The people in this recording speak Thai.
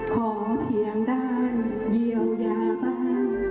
ขอเพียงด้านเยียวยาบ้าง